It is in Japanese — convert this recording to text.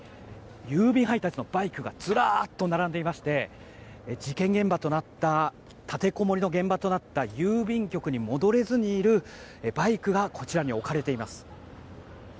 郵便配達のバイクがずらっと並んでいまして事件現場となった立てこもりの現場となった郵便局に戻れずにいるバイクがこちらに置かれています。